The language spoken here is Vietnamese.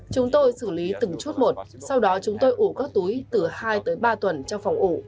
chúng tôi xử lý từng chút một sau đó chúng tôi ủ các túi từ hai tới ba tuần trong phòng ủ